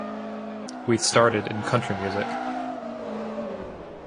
We'd started in country music.